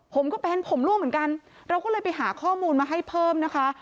ผมก็เป็นผมร่วมเหมือนกันเราก็เลยไปหาข้อมูลมาให้เพิ่มนะคะ